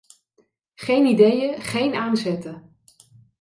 Geen ideeën, geen aanzetten!